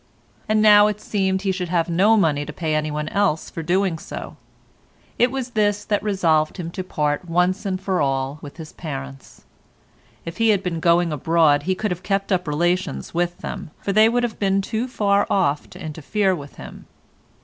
And now it seemed he should have no money to pay any one else for doing so. It was this that resolved him to part once and for all with his parents. If he had been going abroad he could have kept up relations with them, for they would have been too far off to interfere with him.